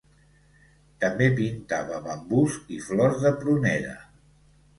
També pintava bambús i flors de prunera.